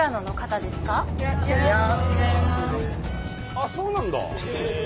あっそうなんだ。